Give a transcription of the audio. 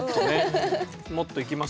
もっといきます？